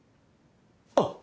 あっ！